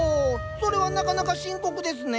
それはなかなか深刻ですね。